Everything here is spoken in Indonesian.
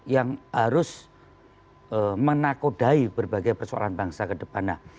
yang harus menakodai berbagai persoalan bangsa ke depan